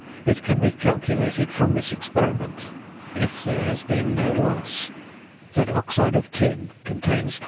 It can be calculated from this experiment (if there has been no loss) that oxide of tin contains 21.